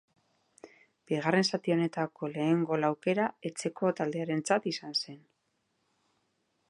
Bigarren zati honetako lehen gol aukera etxeko taldearentzat izan zen.